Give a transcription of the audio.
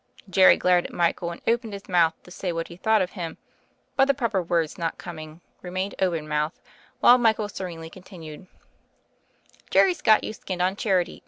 Jerry glared at Michael and opened his mouth to say what he thought of him, but, the proper words not coming, remained open mouthed, while Michael serenely continuei "Jerry's got you skinned on charity.